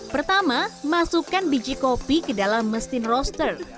pertama masukkan biji kopi ke dalam mesin roaster